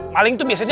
maling tuh biasanya